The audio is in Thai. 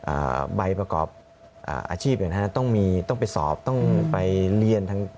ใบประกอบอ่าอาชีพอย่างนั้นต้องมีต้องไปสอบต้องไปเรียนทั้ง